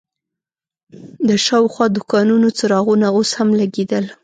د شاوخوا دوکانونو څراغونه اوس هم لګېدل.